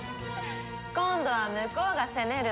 今度は向こうが攻める番。